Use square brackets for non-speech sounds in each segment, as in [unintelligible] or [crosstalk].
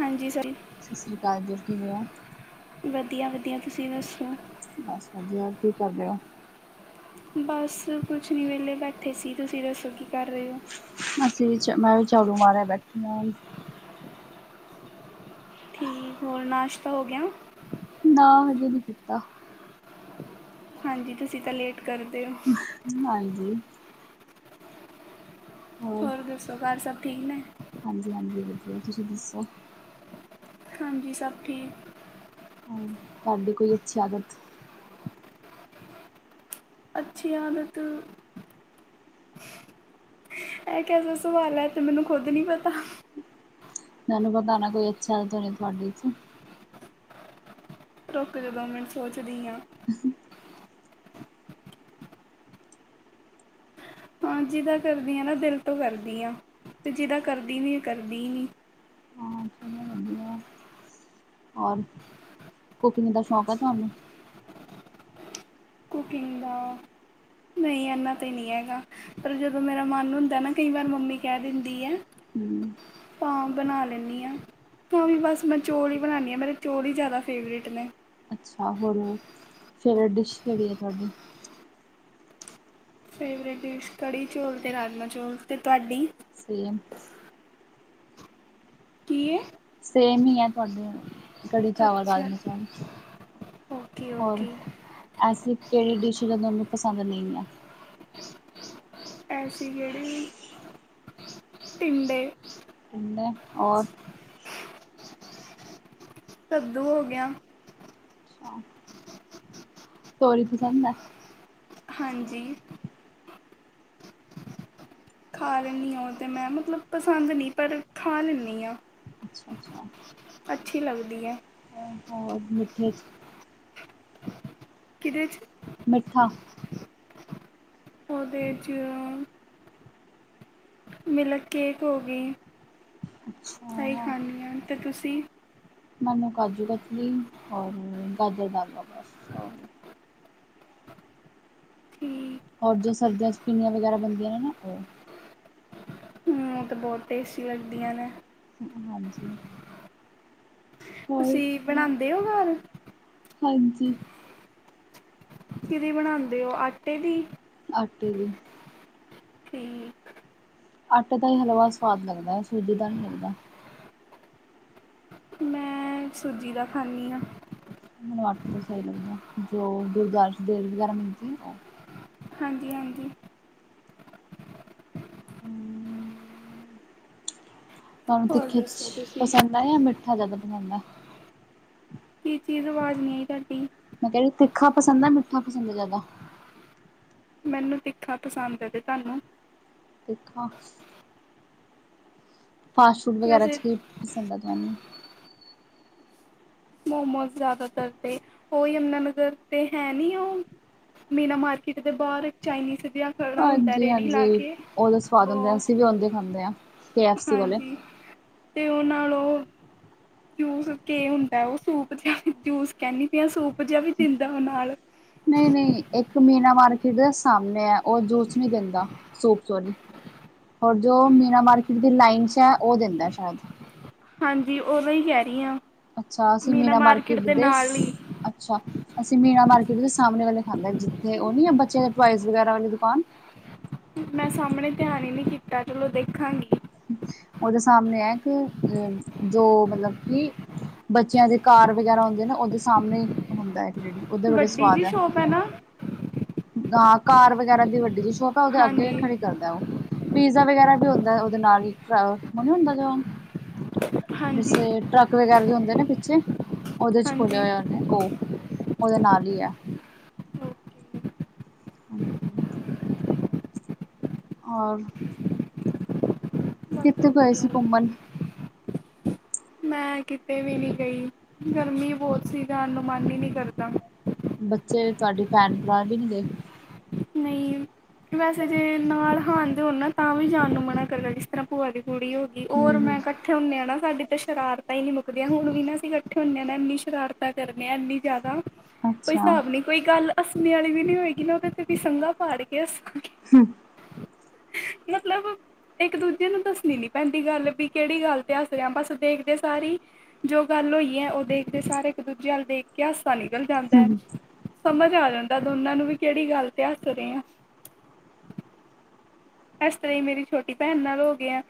ਹਾਂਜੀ ਸਸਰੀ ਕਾਲ ਜੀ ਕਿਵੇਂ ਆ? ਵਦੀਆ-ਵਦੀਆ ਤੁਸੀਂ ਦੱਸੋ? ਬਸ ਵਦੀਆ ਹੋਰ ਕੀ ਕਰ ਰਏ ਓ? ਬਸ ਕੁਛ ਨੀ ਵੇਲੇ ਬੈਠੇ ਸੀ ਤੁਸੀਂ ਦੱਸੋ ਕੀ ਕਰ ਰਏ ਓ? ਅਸੀਂ ਵੀ ਚਾ ਮੈਂ ਵੀ ਝਾੜੂ ਮਾਰੇਆ ਬੈਠੀ ਆ। ਠੀਕ ਹੋਰ ਨਾਸ਼ਤਾ ਹੋ ਗੇਆ? ਨਾ ਹਜੇ ਨੀ ਕੀਤਾ। ਹਾਂਜੀ ਤੁਸੀਂ ਤਾਂ ਲੇਟ ਕਰਦੇ ਓ। ਹਾਂਜੀ। ਹੋਰ ਦੱਸੋ ਘਰ ਸਭ ਠੀਕ ਨੇ? ਹਾਂਜੀ-ਹਾਂਜੀ ਵਦੀਆ ਤੁਸੀਂ ਦੱਸੋ? ਹਾਂਜੀ ਸਭ ਠੀਕ। ਹਾਂ, ਤੁਹਾਡੀ ਕੋਈ ਅੱਛੀ ਆਦਤ। ਅੱਛੀ ਆਦਤ ਐ ਕੇਓ ਜਾ ਸਵਾਲ ਐ ਐ ਤੇ ਮੈਨੂੰ ਖੁੱਦ ਨੀ ਪਤਾ। ਮੈਨੂੰ ਪਤਾ ਨਾ ਕੋਈ ਅੱਛਾ ਤਾਂ ਨੀ ਤੁਆਡੇ ਚ। ਰੁਕ ਜੋ ਦੋ ਮਿੰਟ ਸੋਚਦੀ ਆਂ। ਹਾਂ ਜਿਦਾਂ ਕਰਦੀ ਆਂ ਨਾ ਦਿਲ ਤੋਂ ਕਰਦੀ ਆਂ, ਤੇ ਜੀਦਾ ਕਰਦੀ ਨੀ ਕਰਦੀ ਨੀ। ਹਾਂ, ਚੱਲੋ ਵਦੀਆ। ਔਰ, ਕੂਕਿੰਗ ਦਾ ਸ਼ੌਕ ਆ ਤੁਹਾਨੂੰ? ਕੁਕਿੰਗ ਦਾ, ਨਈ ਐਨਾਂ ਤੇ ਨੀਂ ਐਗਾ। ਪਰ ਜਦੋਂ ਮੇਰਾ ਮਨ ਹੁੰਦਾ ਐ ਨਾ ਕਈ ਵਾਰ ਮੰਮੀ ਕ ਦਿੰਦੀ ਐ। ਹੂੰ ਤਾਂ ਬਣਾ ਲੈਂਨੀ ਆਂ। ਤਾਂ ਵੀ ਬਸ ਮੈਂ ਚੋਲ ਈ ਬਨਾਣੀ ਆ ਮੇਰੇ ਚੋਲ ਈ ਜਾਦਾ ਫੇਵਰੇਟ ਨੇ। ਅੱਛਾ ਹੋਰ, ਫੇਵਰੇ ਡਿਸ਼ ਕੇੜੀ ਏ ਤੁਹਾਡੀ? ਫੇਵਰੇਟ ਡਿਸ਼ ਕੜੀ ਚੋਲ ਅਤੇ ਰਾਜਮਾ ਚੋਲ ਤੇ ਤੁਆਡੀ? ਸੇਮ ਕੀਏ? ਸੇਮ ਈ‌ ਐ ਤੁਆਡੇ ਕੜੀ ਚਾਵਲ ਅੱਛਾ ਰਾਜਮਾ ਚਾਵਲ, ਓਕੇ ਹੋਰ? ਓਕੇ ਐਸੀ ਕੇੜੀ ਡਿਸ਼ ਜੋ ਤਾਨੂੰ ਪਸੰਦ ਨਈ ਆਂ? ਐਸੀ ਕੇੜੀ, ਟੀਂਡੇ। [unintelligible] ਔਰ? ਕੱਦੂ ਹੋ ਗੇਆ। ਅੱਛਾ। ਤੋਰੀ ਪਸੰਦ ਆ? ਹਾਂਜੀ। ਖਾ ਲੈਂਨੀ ਆ ਓ ਤੇ ਮੈਂ ਮਤਲਬ, ਪਸੰਦ ਨੀ ਪਰ ਖਾ ਲੈਂਨੀ ਆ। ਅੱਛਾ-ਅੱਛਾ। ਅੱਛੀ ਲੱਗਦੀ ਐ। [unintelligible] ਔਰ ਮਿਠੇ ਚ ਕੀਦੇ ਚ ਮਿੱਠਾ। ਉਹਦੇ ਚ‌ ਮਿਲਕ ਕੇਕ ਹੋ ਗਈ, ਐਹੀ ਅੱਛਾ ਖਾਂਨੀ ਆ ਤੇ ਤੁਸੀਂ ਮੈਨੂੰ ਕਾਜੂ ਕਤਲੀ ਔਰ ਗਾਜਰ ਕਾ ਹਲਵਾ ਬਸ। ਠੀਕ। ਔਰ ਜੋ ਸਰਦੀਆਂ ਚ ਪਿੰਨੀਆਂ ਵਗੈਰਾ ਬਣਦੀਆਂ ਨੇ ਨਾ ਓ ਉਹ ਤਾਂ ਬਹੁਤ ਟੇਸਟੀ ਲੱਗਦੀਆਂ ਨੇ। ਹਾਂਜੀ। ਹੋਰ ਤੁਸੀਂ ਬਣਾਂਦੇ ਓ ਘਰ। ਹਾਂਜੀ। ਕਿਵੇਂ ਬਣਾਂਦੇ ਓ ਆਟੇ ਦੀ ਆਟੇ ਦੀ। ਠੀਕ। ਆਟੇ ਦਾ ਈ ਹਲਵਾ ਸਵਾਦ ਲੱਗਦਾ ਐ, ਸੂਜੀ ਦਾ ਨੀ ਲੱਗਦਾ। ਮੈਂ ਸੂਜੀ ਦਾ ਖਾਂਨੀ ਆ। ਮੈਨੂੰ ਆਟੇ ਤੋਂ ਸਹੀ ਲੱਗਦਾ ਜੋ ਗੁਰਦੁਆਰੇ ਚ ਦੇਗ ਵਗੈਰਾ ਮਿਲਦੀ ਉਹ ਹਾਂਜੀ-ਹਾਂਜੀ। ਤੁਹਾਨੂੰ ਹੋਰ ਤਿੱਖੇ ਚ ਦੱਸੋ ਤੁਸੀਂ ਪਸੰਦ ਆ, ਜਾਂ ਮਿੱਠਾ ਜ਼ਿਆਦਾ ਪਸੰਦ ਐ। ਕੀ ਚੀਜ਼ ਆਵਾਜ਼ ਨੀਂ ਆਈ ਤੁਹਾਡੀ। ਮੈਂ ਕਹਿ ਰੀ ਤਿੱਖਾ ਪਸੰਦ ਆ, ਜਾਂ ਮਿੱਠਾ ਪਸੰਦ ਐ ਜ਼ਿਆਦਾ। ਮੈਨੂੰ ਤਿੱਖਾ ਪਸੰਦ ਏਂ, ਤੇ ਤੁਹਾਨੂੰ ਤਿੱਖਾ। ਫਾਸਟ ਫੂਡ ਵਗੈਰਾ ਵੈਸੇ 'ਚ ਕੀ ਪਸੰਦ ਐ ਤੁਹਾਨੂੰ। ਮੋਮੋਸ ਜ਼ਿਆਦਾਤਰ ਤੇ, ਓ ਯਮਨਾ ਨਗਰ ਤੇ ਹੈ ਨੀ ਓ ਮੀਨਾ ਮਾਰਕੀਟ ਦੇ ਬਾਹਰ ਇੱਕ ਚਾਈਨੀਜ਼ ਜਾਂ ਹਾਂਜੀ -ਹਾਂਜੀ ਉਹਦੇ ਸਵਾਦ ਹੁੰਦੇ, ਉਹ ਅਸੀਂ ਵੀ ਉਦੇ ਖਾਂਦੇ ਆ ਕੇ ਐਫ ਸੀ ਵਾਲੇ ਹਾਂਜੀ ਤੇ ਉਹ ਨਾਲ ਉਹ ਜੂਸ ਕੇ ਹੁੰਦਾ ਉਹ, ਸੂਪ ਜਿਹਾ ਜੂਸ ਕਹਿੰਨੀ ਪੀ ਆ ਸੂਪ ਜਿਹਾਂ ਵੀ ਦਿੰਦਾ ਉਹ ਨਾਲ ਨਈ- ਨਈ ਇੱਕ ਮੀਨਾ ਮਾਰਕੀਟ ਦੇ ਸਾਹਮਣੇ ਆ ਉਹ ਜੂਸ ਨੀਂ ਦਿੰਦਾ, ਸੂਪ ਸੌਰੀ ਔਰ ਜੋ ਮੀਨਾ ਮਾਰਕੀਟ ਦੀ ਲਾਈਨ ਚ ਆ, ਉਹ ਦਿੰਦਾ ਸ਼ਾਇਦ ਹਾਂਜੀ ਉਹਦਾ ਈ ਕਹਿ ਰੀ ਆ ਅੱਛਾ, ਅਸੀਂ ਮੀਨਾ ਮਾਰਕੀਟ ਦੇ ਸ ਹੀ ਅੱਛਾ ਅਸੀਂ ਮੀਨਾ ਮਾਰਕੀਟ ਦੇ ਸਾਹਮਣੇ ਵਾਲੇ ਖਾਂਦੇ, ਜਿੱਥੇ ਉਹ ਨੀਂ ਆ ਬੱਚਿਆਂ ਦੇ ਟੋਇਜ਼ ਵਗੈਰਾ ਵਾਲੀ ਦੁਕਾਨ ਮੈਂ ਸਾਹਮਣੇ ਧਿਆਨ ਈ ਨੀ ਕੀਤਾ, ਚਲੋ ਦੇਖਾਂਗੀ। ਉਹਦੇ ਸਾਹਮਣੇ ਹੈ ਇਕ, ਅਹ ਜੋ ਮਤਲਬ ਕਿ ਬੱਚਿਆਂ ਦੇ ਕਾਰ ਵਗੈਰਾ ਹੁੰਦੇ ਨਾ, ਉਹਦੇ ਸਾਹਮਣੇ ਈ ਹੁੰਦਾ ਐ ਇੱਕ ਜਿਹੜੀ ਉਹਦੇ ਬੜੇ ਵੱਡੀ ਸਵਾਦ ਜਿ ਹੈ ਸ਼ੋਪ ਐ ਨਾ। ਹਾਂ ਕਾਰ ਵਗੈਰਾ ਦੀ ਵੱਡੀ ਜਿ ਸੋਪ ਐ, ਉਹਦੇ ਅੱਗੇ ਈ ਹਾਂਜੀ ਖੜੀ ਕਰਦਾ ਐ ਉਹ ਪੀਜ਼ਾ ਵਗੈਰਾ ਵੀ ਹੁੰਦਾ ਉਹਦੇ ਨਾਲ ਈ, ਉਹ ਟਰ ਹੁੰਦਾ ਜਾ ਹਾਂਜੀ ਜੈਸੇ ਟਰੱਕ ਵਗੈਰਾ ਜੋ ਹੁੰਦੇ ਨੇ ਪਿੱਛੇ, ਉਹਦੇ ਚ ਖੋਲਿਆ ਹਾਂਜੀ ਹੋਇਆ ਉਹਨੇ ਉਹ ਉਹਦੇ ਨਾਲ ਈ ਆ ਓਕੇ ਹਾਂਜੀ। ਔਰ ਬਸ ਕਿੱਥੇ ਗਏ ਸੀ ਵਧੀਆ ਘੁੰਮਣ। ਮੈਂ ਕਿਤੇ ਵੀ ਨੀ ਗਈ, ਗਰਮੀ ਬੋਤ ਸੀ ਜਾਨ ਨੂੰ ਮਨ ਈ ਨੀਂ ਕਰਦਾ। ਬੱਚੇ ਤੁਆਡੇ ਭੈਣ- ਭਰਾ ਵੀ ਨੀਂ ਗਏ। ਨਈਂ ਵੈਸੇ ਜੇ ਨਾਲ ਹਾਨਦੇ ਹੋਨ ਨਾ ਤਾਂ ਵੀ ਜਾਨ ਨੂੰ ਮਨਾ ਕਰਦੈ ਜਿਸ ਤਰਾਂ ਭੂਆ ਦੀ ਕੁੜੀ ਹੋ ਗੀ ਓਰ ਹਮ ਮੈਂ ਹਮ ਕੱ ਕੱਠੇ ਹੁੰਦੇ ਆਂ ਨਾ ਸਾਡੀ ਤੇ ਸ਼ਰਾਰਤਾਂ ਈ ਨੀਂ ਮੁਕਦੀਆਂ ਹੁਨ ਵੀ ਨਾ ਅਸੀਂ ਕੱਠੇ ਹੁੰਨੇ ਆਂ ਨਾ ਐਂਨੀ ਸ਼ਰਾਰਤਾਂ ਕਰਨੇ ਆਂ ਐਨੀ ਜ਼ਾਦਾ ਕੋਈ ਅੱਛਾ ਸਾਬ ਨੀ ਕੋਈ ਗੱਲ ਹੱਸਣੇ ਆਲੀ ਵੀ ਨੀ ਓਏਗੀ ਨਾ ਓਦੇ ਤੇ ਵੀ ਸੰਘਾ ਪਾੜ ਕੇ ਹੱਸਾਂਗੇ ਅ ਹੂੰ ਮਤਲਬ ਇੱਕ ਦੂਜੇ ਨੂੰ ਦੱਸਨੀ ਨੀ ਪੈਂਦੀ ਗੱਲ ਵੀ ਕੇੜੀ ਗੱਲ ਤੇ ਅੱਸ ਰੇਆਂ ਬਸ ਦੇਖਦੇ ਸਾਰ ਈ ਜੋ ਗੱਲ ਓਈਐ ਓ ਦੇਖਦੇ ਸਾਰ ਇੱਕ ਦੂਜੇ ਅੱਲ ਦੇਖ ਕੇ ਅੱਸ ਸਾ ਨਿਕਲ ਜਾਂਦੈ, ਸਮਝ ਆ ਜਾਂਦਾ ਦੋਨਾਂ ਨੂੰ ਵੀ ਕੇੜੀ ਗੱਲ ਤੇ ਹੱਸ ਰੇਆਂ। ਐਸ ਤਰਾਂ ਈਂ ਮੇਰੀ ਛੋਟੀ ਭੈਨ ਨਾਲ ਓਗੇਐਂ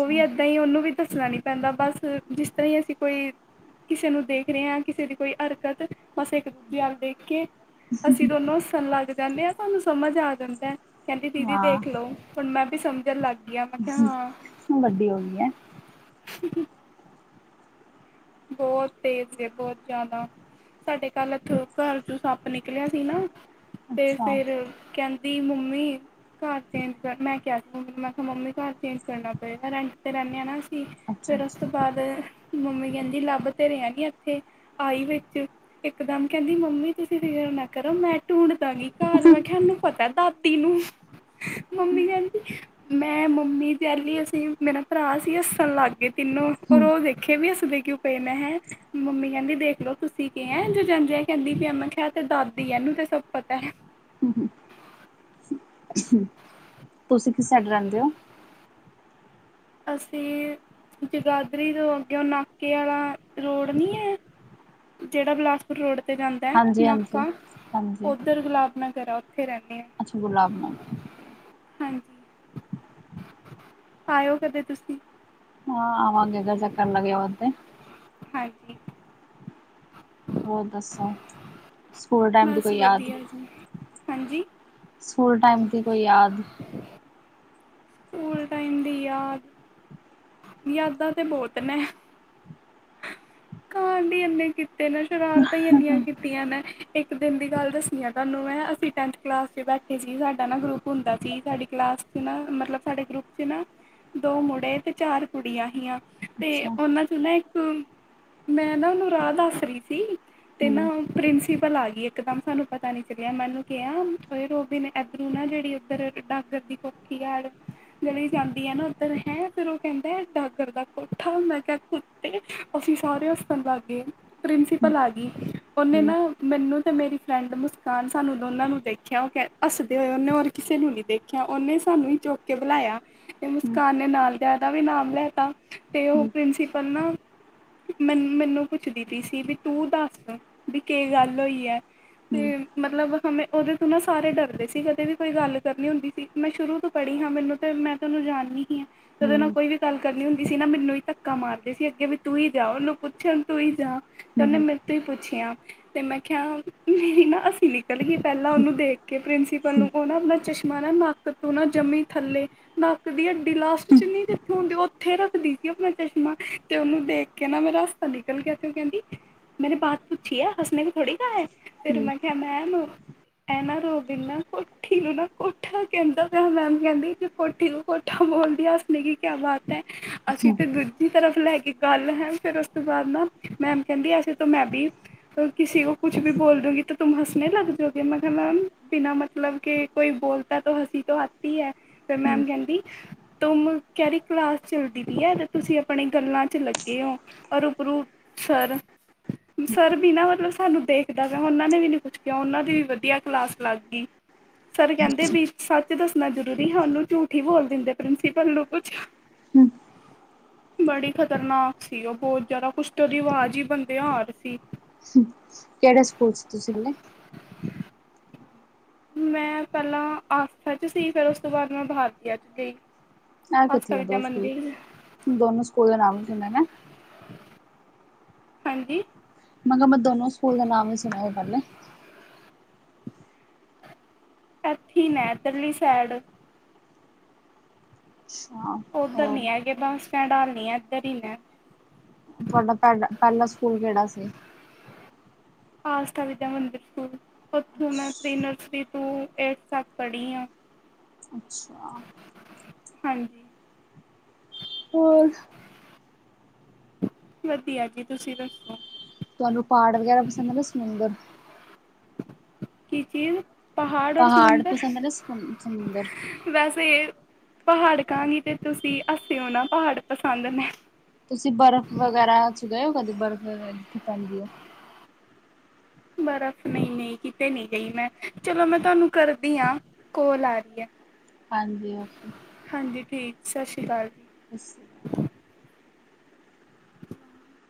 ਓਵੀ ਐਦਾਂ ਈ ਓਨੂੰ ਵੀ ਦੱਸਨਾ ਨੀ ਪੈਂਦਾ ਬਸ ਜਿਸ ਤਰਾਂ ਈ ਅਸੀਂ ਕੋਈ ਕਿਸੇ ਨੂੰ ਦੇਖ ਰੇਆਂ ਕਿਸੇ ਦੀ ਕੋਈ ਅਰਕਤ ਬਸ ਇ ਕ ਦੂਜੇ ਅੱਲ ਦੇਖ ਕੇ, ਅਸੀਂ ਦੋਨੋਂ ਹੱਸਨ ਲਗ ਜਾਂਨੇ ਆਂ ਸਾਨੂੰ ਸਮਜ ਆ ਜਾਂਦੈ। ਕੈਂਦੀ ਦੀਦੀ ਹਾਂ ਦੇਖ ਲੋ, ਹੁਨ ਮੈਂ ਵੀ ਸਮਜਨ ਲੱ ਕੀ ਆ, ਮੈਂ ਕਿਆ ਹਾਂ। ਵੱਡੀ ਹੋ ਗਈ ਹੈ ਬੋਤ ਤੇਜ਼ ਏ, ਬੋਤ ਜਾਦਾ। ਸਾਡੇ ਕੱਲ ਏਥੋਂ ਘਰ ਚੋਂ ਸੱਪ ਨਿਕਲਿਆ ਸੀ ਨਾ, ਤੇ ਅੱਛਾ ਫੇਰ ਕੈਂਦੀ ਮੰਮੀ ਘਰ ਚੇਂਜ ਕਰ ਮੈਂ ਕਿਆ ਸੀ ਮੰਮੀ ਨੂੰ ਮੈਂਕਾ ਮੰਮੀ ਘਰ ਚੇਂਜ ਕਰਨਾ ਪਏਗਾ ਰੈਂਟ ਤੇ ਰੈਨੇ ਆਂ ਨਾ ਅਸੀਂ। ਸੀ ਅੱਛਾ ਫੇਰ ਓਸ ਅੱਛਾ ਤੋਂ ਬਾਦ ਮੰਮੀ ਕੈਂਦੀ ਲੱਭ ਤੇ ਰੇਂਆਂ ਗੀ ਏਥੇ। ਆਈ ਵਿੱਚ ਇਕਦਮ ਕੈਂਦੀ ਮੰਮੀ ਤੁਸੀਂ ਫਿਕਰ ਨਾ ਕਰੋ ਮੈਂ ਢੂੰਡ ਦਾਂਗੀ। ਘਰ ਮੈਂ ਖਿਆ ਐਨੂੰ ਪਤੈ ਦਾਤੀ ਨੂੰ, ਮੰਮੀ ਕੈਂਦੀ ਮੈਂ ਮੰਮੀ ਤੇ ਐਲੀ ਅਸੀਂ ਮੇਰਾ ਭਰਾ ਸੀ ਅੱਸਨ ਲਾਗੇ ਤਿੰਨੋਂ ਹਮ ਉਪਰੋਂ ਓ ਵੇਖੇ ਵੀ ਅਸਦੇ ਕਿਓਂ ਪੇ ਮੈਂ ਹੈਂ ਮੰਮੀ ਕੈਂਦੀ ਦੇਖਲੋ ਤੁਸੀਂ ਕੀ ਐਂ ਜੋ ਜੰਜੇ ਐ ਕੈਂਦੀ ਪੀ ਐ ਮਖਾਂ ਆ ਤੇ ਦਾਦੀ ਐ ਐਨੂੰ ਤੇ ਸਬ ਪਤੈ। ਹੂੰ-ਹੂੰ। ਤੁਸੀਂ ਕਿਸ ਸੈਡ ਰੈਂਦੇ ਓਂ। ਅਸੀਂ ਜਗਾਦਰੀ ਤੋਂ ਅੱਗਿਓਂ ਨਾਕੇ ਆਲਾ ਰੋਡ ਨੀ ਐਂ ਜੇੜਾ ਬਲਾਸਪੁਰ ਰੋਡ ਤੇ ਜਾਂਦੈ ਹਾਂਜੀ ਨਾਕਾ, ਹਾਂਜੀ ਹਾਂਜੀ ਓਦਰ ਗਲਾਬ ਨਗਰ ਐ ਓਥੇ ਰੈਨੀ ਆਂ। ਅੱਛਾ ਗੁਲਾਬ ਨਗਰ ਹਾਂਜੀ, ਆਇਓ ਕਦੇ ਤੁਸੀਂ। ਹਾਂ ਆਵਾਂਗੇ ਗਰ ਚੱਕਰ ਲਗਿਆ ਓਦੇਂ। ਹਾਂਜੀ। ਹੋਰ ਦੱਸੋ, ਸਕੂਲ ਟੈਮ ਦੀ ਬਸ ਕੋਈ ਯਾਦ। ਵਧੀਆ ਜੀ ਹਾਂਜੀ ਸਕੂਲ ਟੈਮ ਦੀ ਕੋਈ ਯਾਦ ਸਕੂਲ ਟਾਈਮ ਦੀ ਯਾਦ ਯਾਦਾਂ ਤੇ ਬੋਤ ਨੈ ਹੀ [inaudible] ਇੰਨੇ ਕੀਤੇ ਨੇ ਸ਼ਰਾਰਤਾਂ ਈਂ ਏਨੀਆਂ ਕੀਤੀਆਂ ਨੇ ਇੱਕ ਦਿਨ ਦੀ ਗੱਲ ਦੱਸਨੀ ਆ ਤਾਨੂੰ ਮੈਂ ਅਸੀ ਟੈਂਥ ਕਲਾਸ ਚ ਬੈਠੇ ਸੀ ਸਾਡਾ ਨਾ ਗਰੁੱਪ ਹੁੰਦਾ ਸੀ ਸਾਡੀ ਕਲਾਸ ਚ ਨਾ ਮਤਲਬ ਸਾਡੇ ਗਰੁੱਪ ਚ ਨਾ ਦੋ ਮੁੜੇ ਤੇ ਚਾਰ ਕੁੜੀਆਂ ਹੀਆਂ ਤੇ ਅੱਛਾ ਓਨਾਂ ਚੋਂ ਨਾ ਇੱਕ ਮੈਂ ਨਾ ਓਨੂੰ ਰਾਅ ਦੱਸ ਰੀ ਤੀ ਤੇ ਨਾ ਹਮ ਪ੍ਰਿੰਸੀਪਲ ਆ ਗਈ ਇੱਕਦਮ ਸਾਨੂੰ ਪਤਾ ਨੀ ਚਲਿਆ ਮੈਨੂੰ ਕਿਹਾ ਮ ਕਿਉਂ ਰੋਕਦੇ ਨੇ। ਇਧਰੋਂ ਨਾ ਜਿਹੜੀ ਉੱਧਰ ਹੈਗੀ ਡਾਗਡਰ ਦੀ ਕੋਠੀ ਆਲ। ਜੜੀ ਜਾਂਦੀ ਹੈ ਨਾ ਉੱਧਰ ਹੈ ਫੇਰ ਉਹ ਕਹਿੰਦਾ ਡਾਗਰ ਦਾ ਕੋਠਾ ਮੈਂ ਕਿਹਾ ਕੀ- ਤੇ ਅਸੀਂ ਸਾਰੇ ਹੱਸਣ ਲੱਗ ਗਏ, ਹਮ ਪ੍ਰਿੰਸੀਪਲ ਆ ਗਈ ਉਹਨੇ ਹਮ ਨਾ ਮੈਨੂੰ ਤੇ ਮੇਰੀ ਫਰੈਂਡ ਮੁਸਕਾਨ ਸਾਨੂੰ ਦੋਨਾਂ ਨੂੰ ਦੇਖਿਆ ਉਹ ਕ ਹੱਸਦੇ ਹੋਏ ਉਹਨੇ ਔਰ ਕਿਸੇ ਨੂੰ ਨਹੀਂ ਦੇਖ- ਖਿਆ ਉਹਨੇ ਸਾਨੂੰ ਹੀ ਚੁੱਕ ਕੇ ਬੁਲਾਇਆ। ਤੇ ਹਮ ਮੁਸਕਾਨ ਨੇ ਨਾਲ ਦਿਆ ਦਾ ਵੀ ਨਾਮ ਲੈ ਤਾਂ ਤੇ ਉਹ ਹਮ ਪ੍ਰਿੰਸੀ [inaudible] ਮੈਨ ਮੈਨੂੰ ਪੁੱਛਦੀ ਪੀ ਸੀ ਵੀ ਤੂੰ ਦਸ ਵੀ ਕੀ ਗੱਲ ਹੋਈ ਹੈ, ਹਮ ਹਮ ਤੇ ਮਤਲਬ ਹਮੇ ਉਹਦੇ ਤੋਂ ਨਾ ਸਾਰੇ ਡਰਦੇ ਸੀਗੇ ਕਦੇ ਵੀ ਕੋਈ ਗੱਲ ਕਰਨੀ ਹੁੰਦੀ ਸੀ ਮੈਂ ਸ਼ੁਰੂ ਤੋਂ ਪੜੀ ਹਾਂ ਮੈਨੂੰ ਤੇ ਮੈਂ ਤੈਨੂੰ ਹੀ ਜਾਣਨੀ ਸੀ ਹਾਂ ਤੇਰੇ ਨਾਲ ਹਮ ਕੋਈ ਵੀ ਗੱਲ ਕਰਨੀ ਹੁੰਦੀ ਸੀ ਨਾ ਮੈਨੂੰ ਹੀ ਧੱਕਾ ਮਾਰ ਦੇ ਸੀ ਅੱਗੇ ਵੀ ਤੂੰ ਹੀ ਜਾ ਉਹਨੂੰ ਪੁੱਛਣ ਤੂੰ ਹੀ ਜਾ ਤੇ ਉਹਨੇ ਹਮ ਮੇ ਤੇ ਪੁੱਛਿਆ ਤੇ ਮੈਂ ਕਿਹਾ ਕਿ ਵੀ ਨਾ ਅਸੀਲਿ- ਨਿਕਲ ਹੀ ਪਹਿਲਾਂ ਉਹਨੂੰ ਦੇਖ ਕੇ ਪ੍ਰਿੰਸੀਪਲ ਨੂੰ ਉਹ ਨਾ ਆਪਣਾ ਚਸ਼ਮਾ ਨਾ ਨੱਕ ਤੋਂ ਨਾ ਜੰਮੀ ਥੱਲੇ ਨੱਕ ਦੀ ਹੱਡੀ ਲਾਸਟ ਚ ਨੀ ਜਿੱਥੇ ਹੁੰਦੀ ਉੱਥੇ ਰੱਖਦੀ ਸੀ ਆਪਣਾ ਚਸ਼ਮਾ। ਤੇ ਉਹਨੂੰ ਦੇਖ ਕੇ ਨਾ ਮੇਰਾ ਹੱਸਾ ਨਿਕਲ ਗਿਆ ਤੇ ਉਹ ਕਹਿੰਦੀ ਮੈਂਨੇ ਬਾਤ ਪੁੱਛੀ ਹੈ ਹੱਸਨੇ ਕੋ ਥੋੜੀ ਕਹਾ ਹੈ ਫਿਰ ਹਮ ਮੈਂ ਕਿਹਾ ਮੈਮ ਇਹ ਨਾ ਰੋਜ ਨਾ ਕੋਠੀ ਨੂੰ ਨਾ ਕੋਠਾ ਕਹਿੰਦਾ ਪਿਆ ਮੈਮ ਕਹਿੰਦੀ ਕੋਠੀ ਨੂੰ ਕੋਠ ਠਾ ਬੋਲ ਦੀਆ ਹਸਨੇ ਕਿ ਕਿਆ ਬਾਤ ਹੈ, ਅਸੀਂ ਤੇ ਦੂਜੀ ਤਰਫ ਲੈ ਕੇ ਗੱਲ ਹੈ ਫੇਰ ਉਸ ਤੋਂ ਬਾਅਦ ਨਾ, ਮੈਮ ਕਹਿੰਦੀ ਐਸੀੇ ਤੋਂ ਮੈਂ ਵੀ ਕਿਸੀ ਕੋ ਕੁੱਛ ਵੀ ਬੋਲ ਦੋਗੀ ਤੋ ਤੁਮ ਹੱਸਨੇ ਲਗ ਜਾਉਗੇ ਮੈਂ ਕਿਹਾ ਮੈਮ ਬਿਨਾਂ ਮਤਲਬ ਕੇ ਕੋਈ ਬੋਲਤਾ ਤਾਂ ਹੱਸੀ ਤੋਂ ਆਤੀ ਹੈ। ਤੇ ਮੈਮ ਹਮ ਕਹਿੰਦੀ ਤੁਮ ਕਿਹੜੀ ਕਲਾਸ ਚੱਲਦੀ ਪਈ ਹੈ ਤੇ ਤੁਸੀਂ ਆਪਣੇ ਗੱਲਾਂ ਚ ਲੱਗੇ ਹੋ ਔਰ ਉਪਰੋਂ ਸਰ- [inaudible] ਸਰ ਵੀ ਨਾ ਮਤਲਬ ਸਾਨੂੰ ਦੇਖਦਾ ਨਾ ਉਹਨਾਂ ਨੇ ਵੀ ਨੀ ਕੁੱਛ ਕਿਹਾ ਉਹਨਾਂ ਦੀ ਵੀ ਵਧੀਆ ਕਲਾਸ ਲੱਗ ਗਈ। ਸਰ ਕਹਿੰਦੇ ਵੀ ਸੱਚ ਦੱਸਣਾ ਜ਼ਰੂਰੀ ਉਹਨੂੰ ਝੂਠ ਈ ਬੋਲ ਦਿੰਦੇ ਪ੍ਰਿੰਸੀਪਲ ਨੂੰ ਕੁੱਛ ਹੂੰ। ਬੜੀ ਖ਼ਤਰਨਾਕ ਸੀ ਉਹ ਬੋਤ ਜ਼ਿਆਦਾ ਕੁਛ ਤਾਂ ਓਦੀ ਆਵਾਜ਼ ਹੀ ਬੰਦੇ ਹਾਰ ਸੀ। ਸਕ ਕਿਹੜੇ ਸਕੂਲ ਚ ਸੀ ਤੁਸੀਂ ਪਹਿਲੇ? ਮੈਂ ਪਹਿਲਾਂ ਆਸਥਾ ਚ ਸੀ, ਫੇਰ ਉਸ ਤੋਂ ਬਾਅਦ ਮੈਂ ਬਾਰਤੀਆ ਚ ਗਈ। ਆ ਆਸਥਾ ਕਿੱਥੇ ਆ ਵਿਦਿਆ ਦੋ ਸਕੂਲ, ਮੰਦਿਰ ਦੋਨੋ ਸਕੂਲ ਦਾ ਨਾਮ ਨੀ ਸੁਣਿਆ ਨਾ? ਹਾਂਜੀ। ਮੈਂ ਕਿਹਾ ਮੈਂ ਦੋਨੋ ਸਕੂਲ ਦਾ ਨਾਮ ਨੀ ਸੁਣਿਆ ਸੀ ਪਹਿਲਾਂ? ਐਥੀ ਨੈ ਪਰਲੀ ਸਾਈਡ। ਅੱਛਾ‌‍‌। ਉੱਧਰ ਨੀ ਹੈਗੇ ਬੱਸ ਸਟੈਂਡ ਹੱਲ ਨੀ ਹੈ ਇੱਧਰ ਹੀ ਨੇ। ਤੁਹਾਡਾ ਪਹਿ ਪਹਿਲਾ ਸਕੂਲ ਕਿਹੜਾ ਸੀ? ਆਸਥਾ ਵਿਦਿਆ ਮੰਦਿਰ ਸਕੂਲ, ਉੱਥੋਂ ਮੈਂ ਪ੍ਰੀ ਨਰਸਰੀ ਤੋਂ ਏਰਥ ਤੱਕ ਪੜੀ ਆ। ਅੱਛਾ। ਹਾਂਜੀ। ਹੋਰ? ਵਧੀਆ ਜੀ ਤੁਸੀਂ ਦੱਸੋ? ਤੁਹਾਨੂੰ ਪਹਾੜ ਵਗੈਰਾ ਪਸੰਦ ਨੇ ਸਮੁੰਦਰ? ਕੀ ਚੀਜ਼ ਪਹਾੜ ਔਰ ਸਮੁੰਦਰ? ਪਸੰਦ ਨੇ ਸਮੁ ਸਮੁੰਦਰ? ਵੈਸੇ ਪਹਾੜ ਕਾਂਗੀ ਤੇ ਤੁਸੀਂ ਹਸਿਓ ਨਾ, ਪਹਾੜ ਪਸੰਦ ਨੇ ਤੁਸੀਂ ਬਰਫ਼ ਵਗੈਰਾ ਚ ਗਏ ਹੋ ਕਦੀ? ਬਰਫ਼ ਜਿੱਥੇ ਪੈਂਦੀ ਹੈ। ਬਰਫ਼ ਨਹੀਂ-ਨਹੀਂ ਕਿਤੇ ਨਹੀਂ ਗਈ ਮੈਂ, ਚਲੋ ਮੈਂ ਤੁਹਾਨੂੰ ਕਰਦੀ ਹਾਂ। ਕੋਲ ਆ ਰਹੀ ਹੈ। ਹਾਂਜੀ ਓਕੇ। ਹਾਂਜੀ, ਠੀਕ ਸਤਿ ਸ਼੍ਰੀ ਅਕਾਲ। [unintelligible] [inaudible]